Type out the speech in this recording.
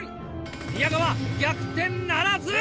宮川逆転ならず！